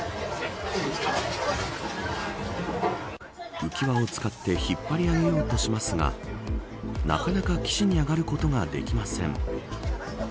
浮輪を使って引っ張り上げようとしますがなかなか岸に上がることができません。